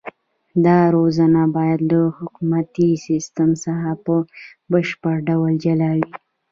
دا روزنه باید له حکومتي سیستم څخه په بشپړ ډول جلا وي.